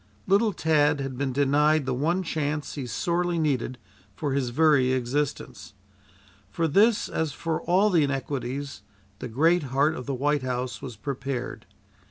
Little Tad had been denied the one chance he sorely needed for his very existence. For this, as for all the inequities the great heart of the White House was prepared.